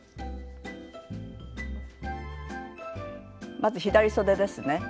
まず左そでですね。